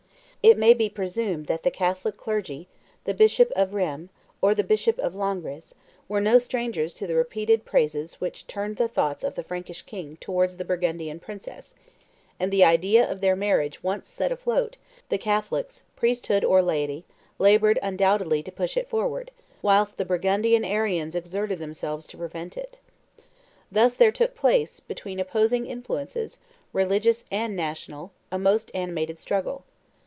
It may be presumed that the Catholic clergy, the bishop of Rheims, or the bishop of Langres, were no strangers to the repeated praises which turned the thoughts of the Frankish king towards the Burgundian princess, and the idea of their marriage once set afloat, the Catholics, priesthood or laity, labored undoubtedly to push it forward, whilst the Burgundian Arians exerted themselves to prevent it. Thus there took place, between opposing influences, religious and national, a most animated struggle.